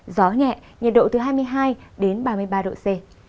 gió nhẹ nhiệt độ từ hai mươi hai đến ba mươi ba độ c